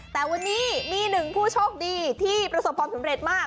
แต่วันนี้มีหนึ่งผู้โชคดีที่ประสบความสำเร็จมาก